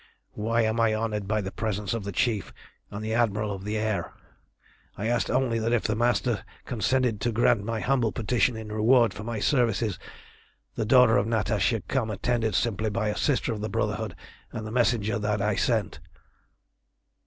Why am I honoured by the presence of the Chief and the Admiral of the Air? I asked only that if the Master consented to grant my humble petition in reward for my services, the daughter of Natas should come attended simply by a sister of the Brotherhood and the messenger that I sent."